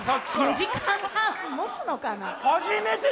４時間半もつのかな。